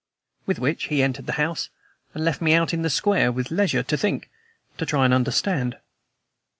With which he entered the house and left me out in the square, with leisure to think, to try to understand.